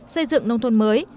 xây dựng nông thuận mới